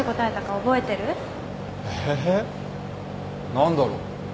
何だろう。